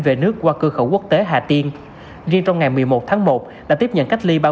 về nước qua cửa khẩu quốc tế hà tiên riêng trong ngày một mươi một tháng một đã tiếp nhận cách ly